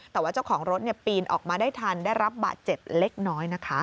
แต่ว่าเจ้าของรถปีนออกมาได้ทันได้รับบาดเจ็บเล็กน้อยนะคะ